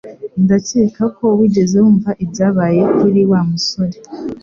Ndakeka ko wigeze wumva ibyabaye kuri Wa musore